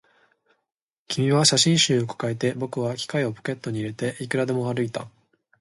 君は写真集を抱えて、僕は機械をポケットに入れて、いくらでも歩いた